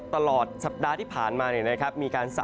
หลายคนวางแผลที่จะใช้ชีวิต